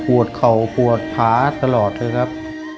เข่าปวดผาตลอดเลยครับ